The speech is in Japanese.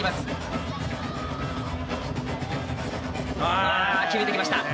あ決めてきました。